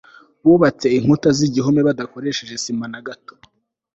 bubatse inkuta z'igihome badakoresheje sima na gato